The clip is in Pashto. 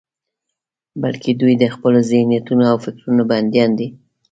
بلکې دوی د خپلو ذهنيتونو او فکرونو بندیان دي.